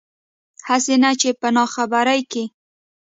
هسې نه چې پۀ ناخبرۍ کښې